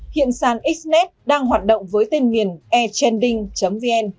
hiện sàn xnet đang hoạt động với tên miền e chanding vn